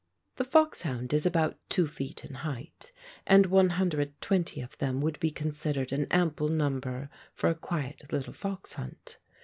The foxhound is about two feet in height, and 120 of them would be considered an ample number for a quiet little fox hunt.